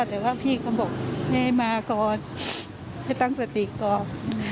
แต่ว่าพี่เขาบอกให้มาก่อนให้ตั้งสติก่อน